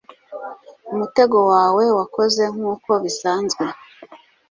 umutego wawe wakoze nkuko bisanzwe